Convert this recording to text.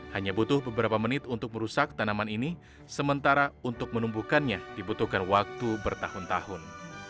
hanya butuh beberapa menit untuk merusak tanaman ini sementara untuk menumbuhkannya dibutuhkan waktu bertahun tahun